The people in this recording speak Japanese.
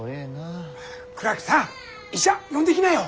倉木さん医者呼んできなよ！